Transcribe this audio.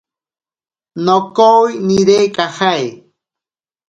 Nokowi nire kajae.